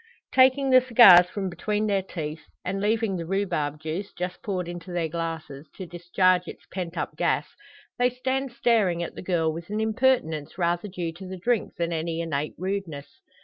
Taking the cigars from between their teeth and leaving the rhubarb juice, just poured into their glasses, to discharge its pent up gas they stand staring at the girl, with an impertinence rather due to the drink than any innate rudeness.